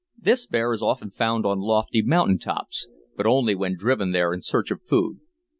This bear is often found on lofty mountain tops, but only when driven there in search of food.